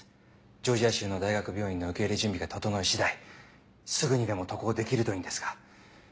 ジョージア州の大学病院の受け入れ準備が整い次第すぐにでも渡航できるといいんですが。